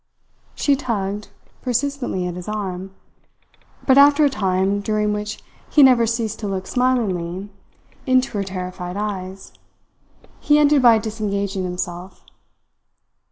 She tugged, persistently at his arm, but after a time, during which he never ceased to look smilingly into her terrified eyes, he ended by disengaging himself.